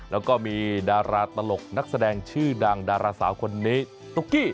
แล้วก็มีดาราตลกนักแสดงชื่อดังดาราสาวคนนี้ตุ๊กกี้